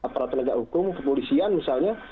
para tenaga hukum kepolisian misalnya